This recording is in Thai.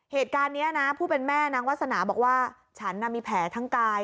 เหตุการณ์นี้นะผู้เป็นแม่นางวาสนาบอกว่าฉันมีแผลทั้งกาย